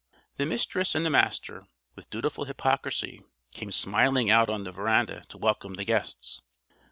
The Mistress and the Master, with dutiful hypocrisy, came smilingly out on the veranda to welcome the guests.